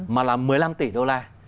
mà là một mươi năm tỷ đô la